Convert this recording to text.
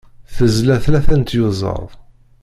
Tezla tlata n tyuẓaḍ.